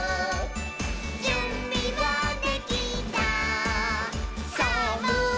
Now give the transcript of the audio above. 「じゅんびはできたさぁもういちど」